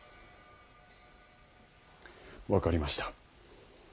分かりました。